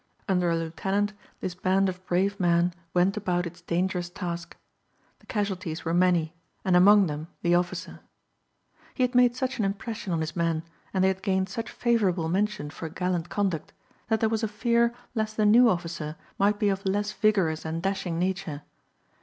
Under a lieutenant this band of brave men went about its dangerous task. The casualties were many and among them the officer. He had made such an impression on his men and they had gained such favorable mention for gallant conduct that there was a fear lest the new officer might be of less vigorous and dashing nature.